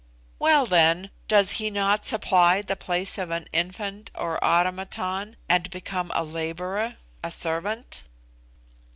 "Well, then, does he not supply the place of an infant or automaton, and become a labourer a servant?"